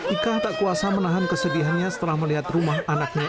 ika tak kuasa menahan kesedihannya setelah melihat rumah anaknya